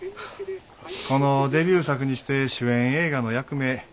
このデビュー作にして主演映画の役名